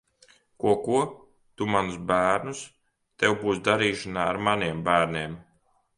Ko, ko? Tu manus bērnus? Tev būs darīšana ar maniem bērniem!